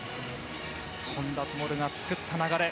本多灯が作った流れ